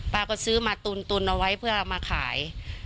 ป้าก็ซื้อมาตุนเอาไว้เพื่อเอามาขาย